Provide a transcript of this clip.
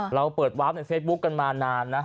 เราเปิดวาร์ฟในเฟซบุ๊คกันมานานนะ